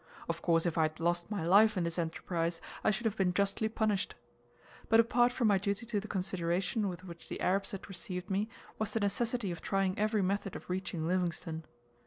Of course if I had lost my life in this enterprise, I should have been justly punished. But apart from my duty to the consideration with which the Arabs had received me, was the necessity of trying every method of reaching Livingstone.